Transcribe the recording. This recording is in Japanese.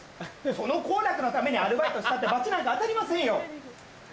その幸楽のためにアルバイトしたって罰なんて当たりませんよ！